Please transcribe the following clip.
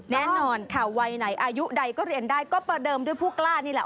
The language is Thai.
แน่นอนค่ะวัยไหนอายุใดก็เรียนได้ก็ประเดิมด้วยผู้กล้านี่แหละ